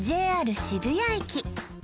ＪＲ渋谷駅